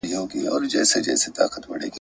زما یقین دی چي پر خپل خالق به ګران یو ..